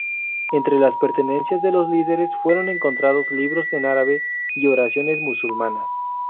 Entre las pertenencias de los líderes fueron encontrados libros en árabe y oraciones musulmanas.